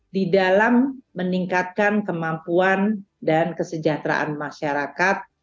di dalam meningkatkan kemampuan dan kesejahteraan masyarakat